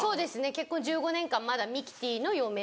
結婚１５年間まだ「ミキティの嫁」で。